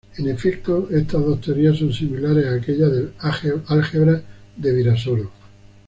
En efecto, estas dos teorías son similares a aquella del álgebra de Virasoro.